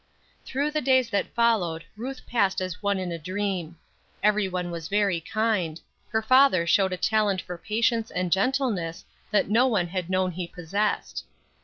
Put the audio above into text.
Through the days that followed Ruth passed as one in a dream. Everyone was very kind. Her father showed a talent for patience and gentleness that no one had known he possessed.